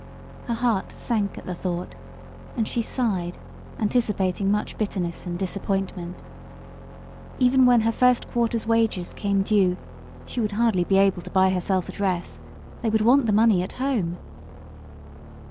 Her heart sank at the thought, and she sighed, anticipating much bitterness and disappointment. Even when her first quarter's wages came due she would hardly be able to buy herself a dress: they would want the money at home.